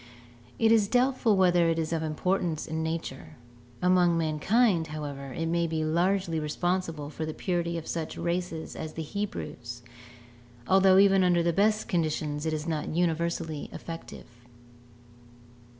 It is doubtful whether it is of importance in nature; among mankind, however, it may be largely responsible for the purity of such races as the Hebrews, although even under the best of conditions it is not universally effective.